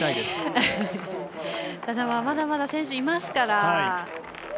まだまだ選手いますから。